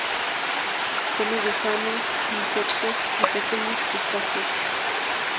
Come gusanos, insectos y pequeños crustáceos.